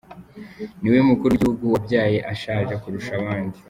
Niwe mukuru w’igihugu wabyaye ashaje kurusha abandi.